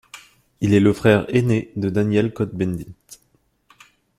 Il est le frère aîné de Daniel Cohn-Bendit.